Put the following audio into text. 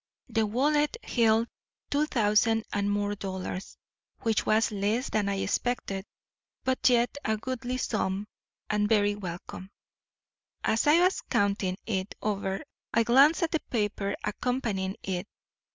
"The wallet held two thousand and more dollars, which was less than I expected, but yet a goodly sum and very welcome. As I was counting it over I glanced at the paper accompanying it.